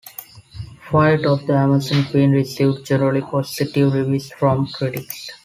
"Flight of the Amazon Queen" received generally positive reviews from critics.